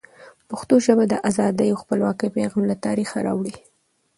پښتو ژبه د ازادۍ او خپلواکۍ پیغام له تاریخه را وړي.